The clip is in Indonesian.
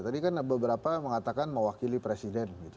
tadi kan beberapa mengatakan mewakili presiden gitu